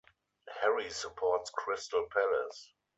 Harry supports Crystal Palace.